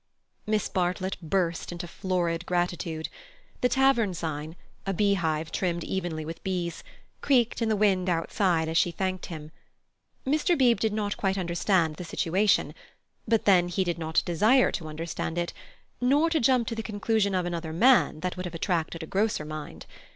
Miss Bartlett burst into florid gratitude. The tavern sign—a beehive trimmed evenly with bees—creaked in the wind outside as she thanked him. Mr. Beebe did not quite understand the situation; but then, he did not desire to understand it, nor to jump to the conclusion of "another man" that would have attracted a grosser mind.